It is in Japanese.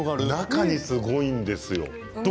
中に、すごいんですよ。